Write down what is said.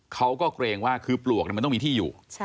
เกรงว่าคือปลวกมันต้องมีที่อยู่